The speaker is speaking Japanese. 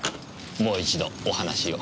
もう一度お話を。